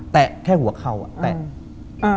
แตะแค่หัวเข่าอะแตะ